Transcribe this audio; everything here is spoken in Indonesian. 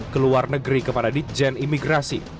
ke luar negeri kepada ditjen imigrasi